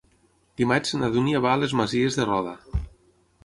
Dimarts na Dúnia va a les Masies de Roda.